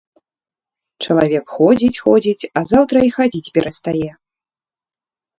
Чалавек ходзіць-ходзіць, а заўтра і хадзіць перастае.